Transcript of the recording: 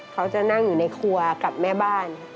เขาจะนั่งอยู่ในครัวกับแม่บ้าน